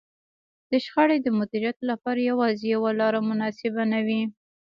د شخړې د مديريت لپاره يوازې يوه لار مناسبه نه وي.